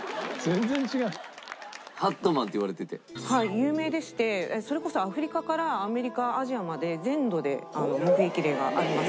有名でしてそれこそアフリカからアメリカアジアまで全土で目撃例があります。